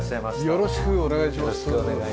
よろしくお願いします。